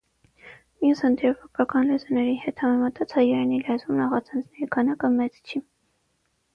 Մյուս հնդեվրոպական լեզուների հետ համեմատած, հայերեն լեզվում նախածանցների քանակը մեծ չի։